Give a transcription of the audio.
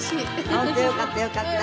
本当よかったよかった。